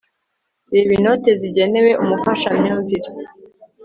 reba inote zigenewe umufashamyumvire